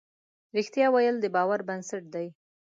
رښتیا ویل د باور بنسټ دی.